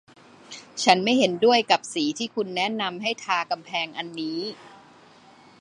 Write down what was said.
ฉันไม่เห็นด้วยกับสีที่คุณแนะนำให้ทากำแพงอันนี้